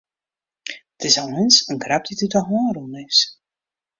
It is eins in grap dy't út de hân rûn is.